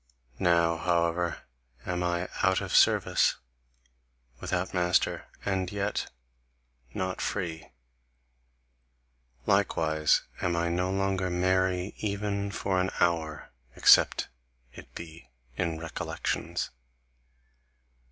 Now, however, am I out of service, without master, and yet not free; likewise am I no longer merry even for an hour, except it be in recollections.